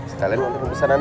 sekalian nonton pesenannya om